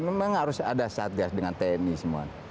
memang harus ada satgas dengan tni semua